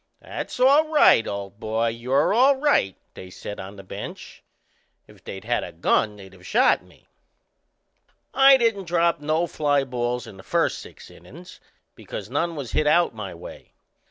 "That's all right, old boy. You're all right! " they said on the bench if they'd had a gun they'd of shot me. I didn't drop no fly balls in the first six innin's because none was hit out my way.